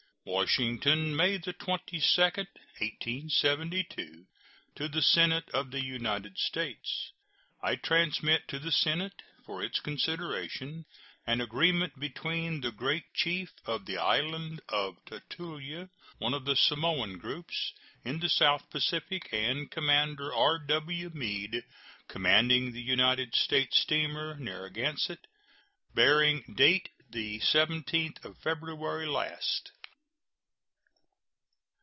WASHINGTON, May 22, 1872. To the Senate of the United States: I transmit to the Senate, for its consideration, an agreement between the Great Chief of the island of Tutuila, one of the Samoan group, in the South Pacific, and Commander R.W. Meade, commanding the United States steamer Narragansett, bearing date the 17th of February last.